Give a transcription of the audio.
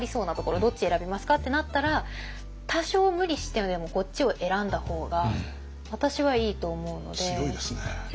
「どっち選びますか？」ってなったら多少無理してでもこっちを選んだ方が私はいいと思うので。